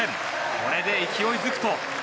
これで勢いづくと。